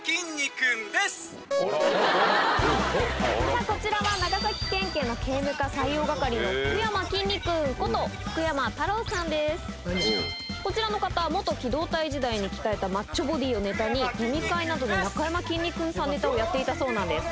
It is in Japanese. さぁこちらは長崎県警の警務課採用係のこちらの方機動隊時代に鍛えたマッチョボディーをネタに飲み会などでなかやまきんに君さんネタをやっていたそうなんです